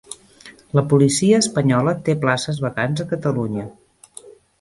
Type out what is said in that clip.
La policia espanyola té places vacants a Catalunya